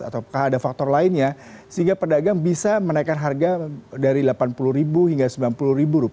atau ada faktor lainnya sehingga pedagang bisa menaikkan harga dari rp delapan puluh hingga rp sembilan puluh